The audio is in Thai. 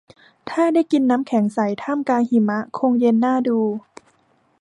ถ้าได้กินน้ำแข็งใสท่ามกลางหิมะคงเย็นน่าดู